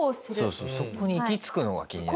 そこに行き着くのが気になる。